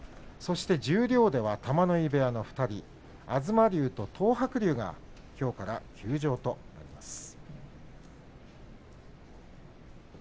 十両では玉ノ井部屋の２人東龍と東白龍がきょうから休場となりました。